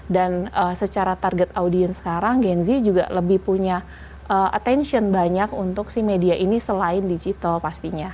dan secara target audience sekarang gen z juga lebih punya attention banyak untuk si media ini selain digital pastinya